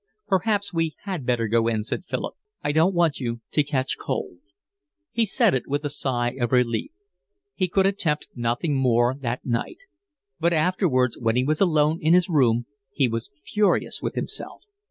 "Perhaps we had better go in," said Philip. "I don't want you to catch cold." He said it with a sigh of relief. He could attempt nothing more that night. But afterwards, when he was alone in his room, he was furious with himself.